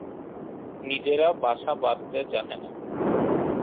নিজেরা বাসা বাঁধতে জানে না।